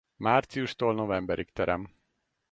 Márciustól novemberig terem.